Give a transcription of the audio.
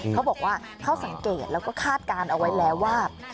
เขาบอกว่าเขาสังเกตแล้วก็คาดการณ์เอาไว้แล้วว่า